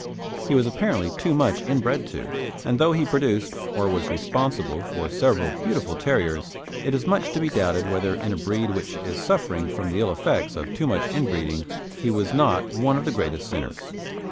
He was apparently too much inbred to, and though he produced or was responsible for several beautiful terriers, it is much to be doubted whether in a breed which is suffering from the ill effects of too much inbreeding, he was not one of the greatest sinners.